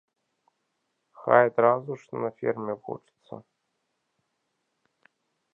Хай адразу ж на ферме вучыцца!